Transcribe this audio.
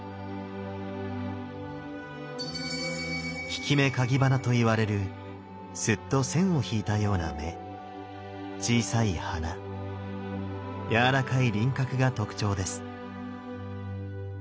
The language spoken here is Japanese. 引目鉤鼻と言われるスッと線を引いたような目小さい鼻やわらかい輪郭が特徴です。